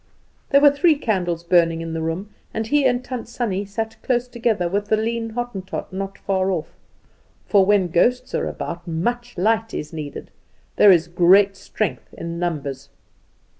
There were three candles burning in the room, and he and Tant Sannie sat close together, with the lean Hottentot not far off; for when ghosts are about much light is needed, there is great strength in numbers.